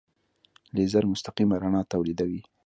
لیزر مستقیمه رڼا تولیدوي.